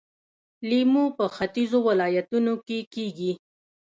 لیمو په ختیځو ولایتونو کې کیږي.